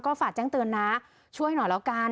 ฝากแจ้งเตือนนะช่วยหน่อยแล้วกัน